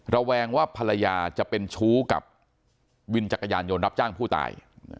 แวงว่าภรรยาจะเป็นชู้กับวินจักรยานยนต์รับจ้างผู้ตาย